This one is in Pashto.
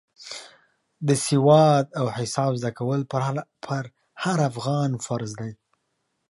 د سواد او حساب زده کول پر هر افغان فرض دی.